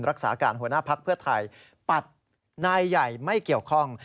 รักษาการหัวหน้าภักดิ์เพื่อไทยปัดนายใหญ่ไม่เกี่ยวข้อง